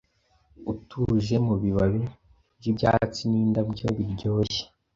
utuje Mubibabi byibyatsi nindabyo biryoshye